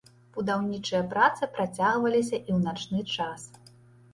Будаўнічыя працы працягваліся і ў начны час.